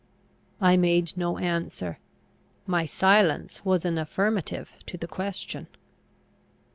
I made no answer. My silence was an affirmative to the question.